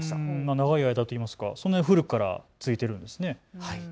長い間、そんな古くから続いているんですね。